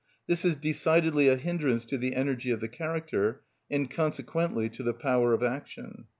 This is decidedly a hindrance to the energy of the character, and consequently to the power of action.